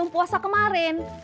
waktu puasa kemaren